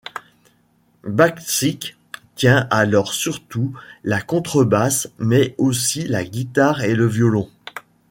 Bacsik tient alors surtout la contrebasse, mais aussi la guitare et le violon.